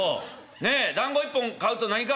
ねえだんご１本買うと何か？